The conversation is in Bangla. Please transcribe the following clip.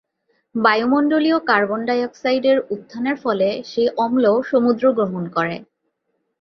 বায়ুমণ্ডলীয় কার্বন ডাই অক্সাইড এর উত্থানের ফলে সেই অম্ল সমুদ্র গ্রহণ করে।